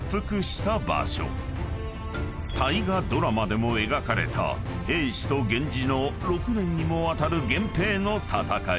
［大河ドラマでも描かれた平氏と源氏の６年にもわたる源平の戦い］